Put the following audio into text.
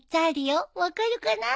分かるかな？